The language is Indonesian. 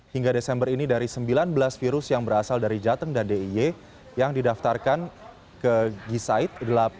hingga desember ini dari sembilan belas virus yang berasal dari jateng dan d i y yang didaftarkan ke gisaid